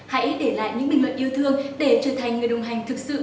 hãy để lại những bình luận yêu thương để trở thành người đồng hành thực sự